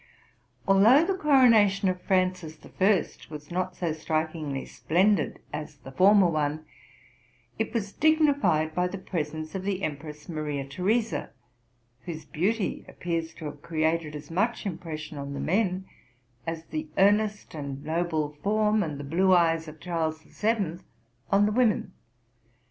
Although the coronation of Francis First was not so strik ingly splendid as the former one, it was dignified by the presence of the Empress Maria Theresa, whose beauty appears to have created as much impression on the men as the earnest and noble form and the blue eyes of Charles Seventh on the women.